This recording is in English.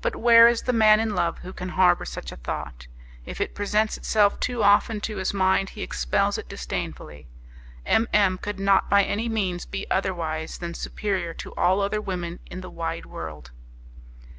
But where is the man in love who can harbour such a thought? If it presents itself too often to his mind, he expels it disdainfully! M M could not by any means be otherwise than superior to all other women in the wide world.